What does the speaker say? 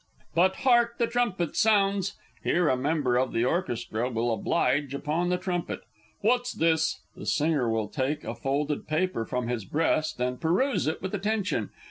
_ But hark! the trumpet sounds!... (Here a member of the orchestra will oblige upon the trumpet.) What's this? ... (_The Singer will take a folded paper from his breast and peruse it with attention.